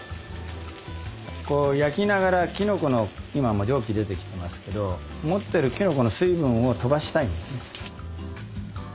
こう焼きながらきのこの今も蒸気出てきてますけど持ってるきのこの水分を飛ばしたいんですね。